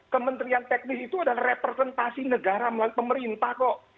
kementerian teknis itu adalah representasi negara pemerintah kok